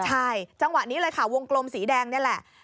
ใช่จังหวะนี้เลยค่ะวงกลมสีแดงนี่แหละ